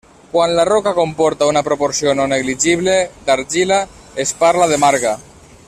Quan la roca comporta una proporció no negligible d'argila es parla de marga.